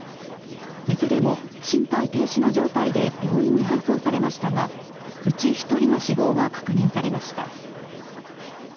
いずれも心肺停止の状態で病院に搬送されましたがうち１人の死亡が確認されました。